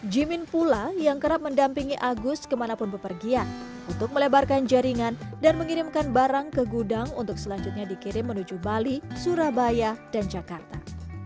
jimin pula yang kerap mendampingi agus kemanapun bepergian untuk melebarkan jaringan dan mengirimkan barang ke gudang untuk selanjutnya dikirim menuju bali surabaya dan jakarta